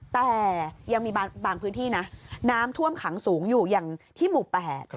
แต่ยังมีบางพื้นที่นะน้ำท่วมขังสูงอยู่อย่างที่หมู่แปด